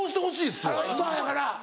スターやから。